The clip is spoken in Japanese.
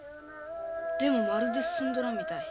でもまるで進んどらんみたい。